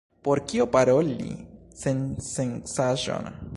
Por kio paroli sensencaĵon?